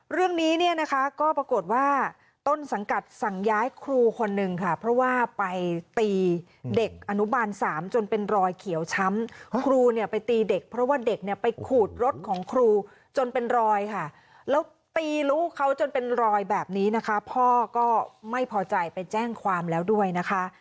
เรื่องนี้เนี่ยนะคะก็ปรากฏว่าต้นสังกัดสั่งย้ายครูคนนึงค่ะเพราะว่าไปตีเด็กอนุบาลสามจนเป็นรอยเขียวช้ำครูเนี่ยไปตีเด็กเพราะว่าเด็กเนี่ยไปขูดรถของครูจนเป็นรอยค่ะแล้วตีลูกเขาจนเป็นรอยแบบนี้นะคะพ่อก็ไม่พอใจไปแจ้งความแล้วด้วยนะคะ